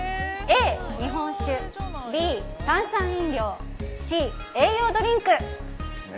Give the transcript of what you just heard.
Ａ、日本酒Ｂ、炭酸飲料Ｃ、栄養ドリンク。